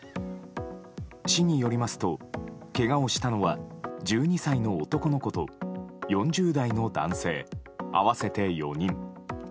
市によりますと、けがをしたのは１２歳の男の子と４０代の男性、合わせて４人。